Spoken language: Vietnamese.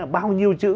bao nhiêu chữ